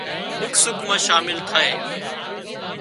ۮُک سُک مان شامل ٿائي